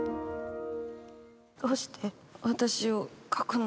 どうして私を書くの？